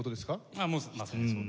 ああもうまさにそうです。